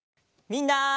みんな！